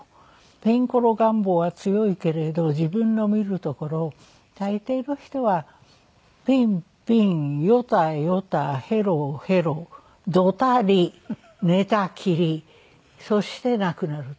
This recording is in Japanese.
ピンコロ願望が強いけれど自分の見るところ大抵の人はピンピンヨタヨタヘロヘロドタリ寝たきりそして亡くなるという。